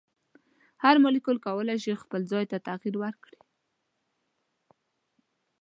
هر مالیکول کولی شي خپل ځای ته تغیر ورکړي.